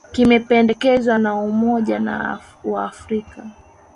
kimependekezwa na umoja wa afrika